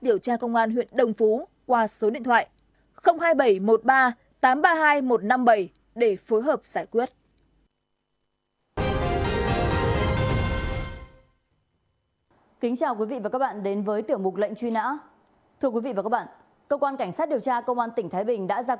hình công an huyện đồng phú đã thu hồi một chiếc điện thoại